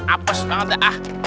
apas banget dah